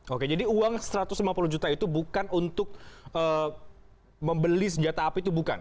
oke jadi uang satu ratus lima puluh juta itu bukan untuk membeli senjata api itu bukan